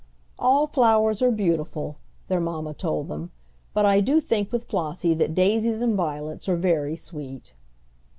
"All flowers are beautiful," their mamma told them, "but I do think with Flossie that daisies and violets are very sweet."